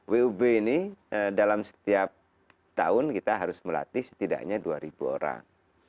wub ini dalam setiap tahun kita harus melatih setidaknya dua orang